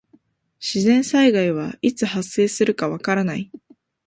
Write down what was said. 自然災害はいつ発生するかわからない。